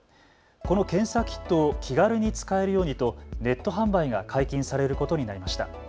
この検査キットを気軽に使えるようにとネット販売が解禁されることになりました。